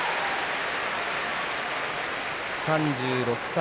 ３６歳。